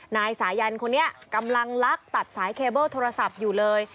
นายสายันคนนี้กำลังลักตัดสายเคเบิ้ลโทรศัพท์อยู่เลย